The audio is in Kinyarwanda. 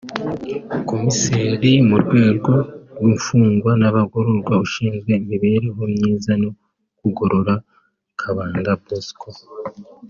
Komiseri mu rwego rw’imfungwa n’abagororwa ushinzwe imibereho myiza no kugorora Kabanda Bosco